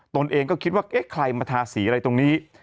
ตนเองก็คิดว่าเอ๊ะใครมาทาสีอะไรตรงนี้